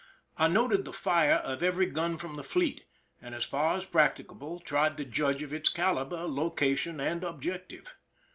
I noted the fire of every gun from the fleet, and as far as practicable tried to judge of its caliber, location, and objective.